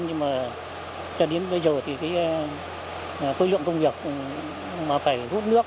nhưng mà cho đến bây giờ thì cái khối lượng công việc mà phải hút nước